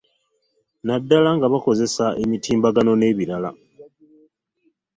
Naddala nga bakozesa emitimbagano n'ebirala.